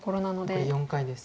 残り４回です。